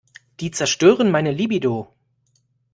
Die zerstören meine Libido.